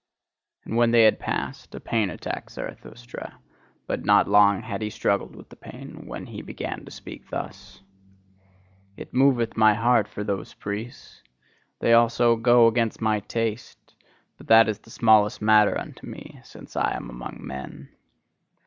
And when they had passed, a pain attacked Zarathustra; but not long had he struggled with the pain, when he began to speak thus: It moveth my heart for those priests. They also go against my taste; but that is the smallest matter unto me, since I am among men.